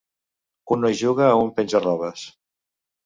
Un noi juga a un penja-robes.